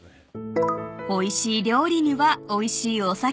［おいしい料理にはおいしいお酒ですよね］